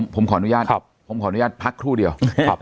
ผมขออนุญาตพักครู่เดียว